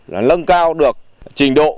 là nâng cao được trình độ